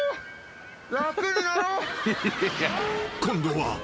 ［今度は］